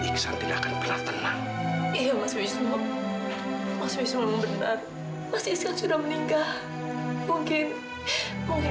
iksan tidak akan pernah tenang iya mas wisnu mas wisnu membenar mas iksan sudah meninggal mungkin